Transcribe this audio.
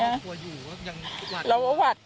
ทุกวันนี้เขากลัวอยู่ว่ายังหวาดกลัว